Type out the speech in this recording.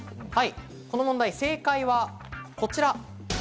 この問題、正解はこちら。